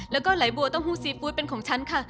แล้วก็ไหลบัวเต้าหู้ซีฟู้ดเป็นของฉันค่ะ